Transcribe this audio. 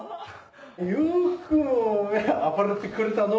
よくも暴れてくれたの。